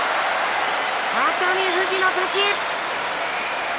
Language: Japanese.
熱海富士の勝ち。